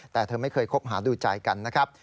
แต่เธอไม่เคยคบหาดูใจกันนะครับ